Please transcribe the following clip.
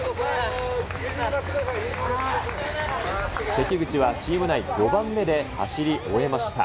関口はチーム内５番目で走り終えました。